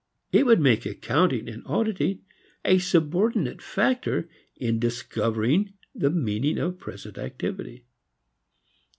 It would make accounting and auditing a subordinate factor in discovering the meaning of present activity.